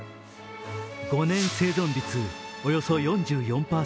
５年生存率およそ４４％。